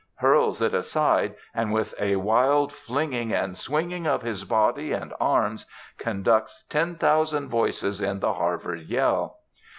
hurls it aside, and, with a wild flinging and swinging of his body and arms, conducts ten thousand voices in the Harvard yell.